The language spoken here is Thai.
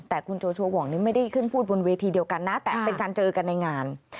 แต่คุณโจโชวองนี้ไม่ได้ขึ้นพูดบนเวทีเดียวกันนะแต่เป็นการเจอกันในงาน